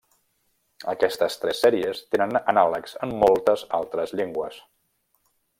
Aquestes tres sèries tenen anàlegs en moltes altres llengües.